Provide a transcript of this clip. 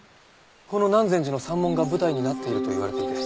この南禅寺の三門が舞台になっているといわれていて。